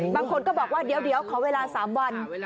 บางคนก็บอกว่าเดี๋ยวขอเวลา๓วัน